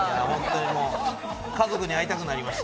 家族に会いたくなりました。